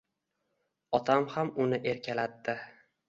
Otam ham uni erkalatdi.